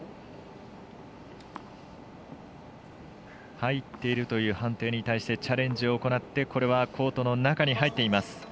入っているという判定に対してチャレンジを行ってこれはコートの中に入っています。